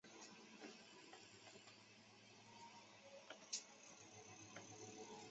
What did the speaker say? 邦妮维尤是位于美国加利福尼亚州科卢萨县的一个非建制地区。